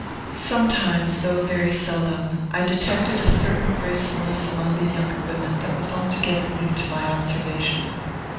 Sometimes, though very seldom, I detected a certain gracefulness among the younger women that was altogether new to my observation.